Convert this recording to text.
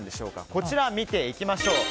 こちらを見ていきましょう。